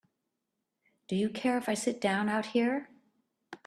Do you care if I sit down out here?